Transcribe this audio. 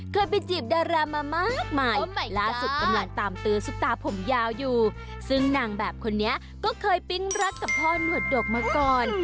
เคยไปจีบดารามามากมายล่าสุดกำลังตามตื้อซุปตาผมยาวอยู่ซึ่งนางแบบคนนี้ก็เคยปิ๊งรักกับพ่อหนวดดกมาก่อน